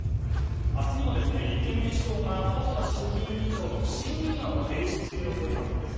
明日にも立憲民主党が細田衆議院議長の不信任案を提出する予定なんです。